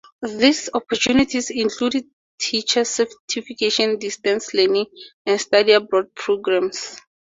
These opportunities include teacher certification, distance learning, and study abroad programs.